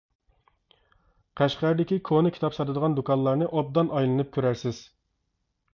قەشقەردىكى كونا كىتاب ساتىدىغان دۇكانلارنى ئوبدان ئايلىنىپ كۆرەرسىز.